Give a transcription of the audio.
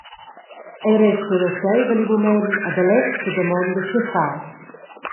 Ei resta ruasseivel in mument ed Alex sedamonda tgei far.